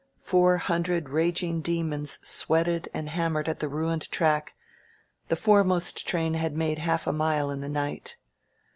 Four hun dred raging demons sweated and hammered at the ruined track ; the foremost train had made half a mile in the night.